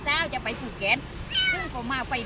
ขนาดชะมัดจะเห็นแควศิษย์